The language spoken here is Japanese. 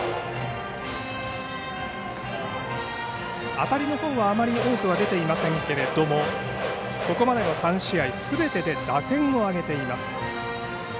当たりのほうはあまり多くは出ていませんけれどもここまでの３試合すべてで打点を挙げています。